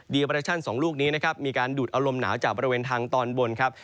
ดีอัปราชันสองลูกนี้นะครับมีการดูดอารมณ์หนาวจากบริเวณทางตอนบนครับ